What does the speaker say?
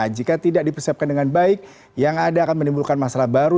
jika tidak dipersiapkan dengan baik yang ada akan menimbulkan masalah baru